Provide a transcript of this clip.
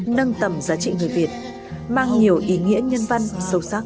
nâng tầm giá trị người việt mang nhiều ý nghĩa nhân văn sâu sắc